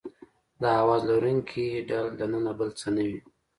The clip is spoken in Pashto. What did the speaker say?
د اواز لرونکي ډهل دننه بل څه نه وي.